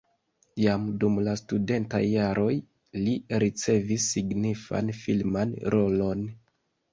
Jam dum la studentaj jaroj li ricevis signifan filman rolon.